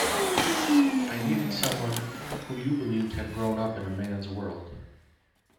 I needed someone who you believed had grown up in a man's world.